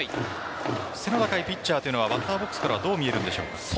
背の高いピッチャーというのはバッターボックスからどう見えるんですか？